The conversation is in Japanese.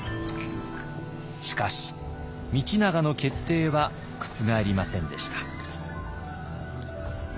しかし道長の決定は覆りませんでした。